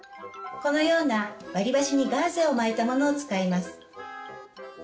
このような割り箸にガーゼを巻いたものを使います。